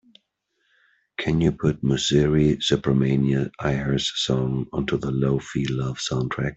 Can you put Musiri Subramania Iyer's song onto the lo-fi love soundtrack?